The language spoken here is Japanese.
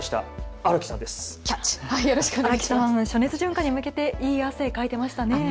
荒木さん、暑熱順化に向けていい汗をかいていましたね。